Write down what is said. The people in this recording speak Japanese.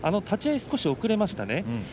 立ち合いが少し遅れましたね。